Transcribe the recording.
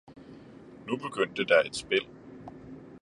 Nu begyndte der et Spil!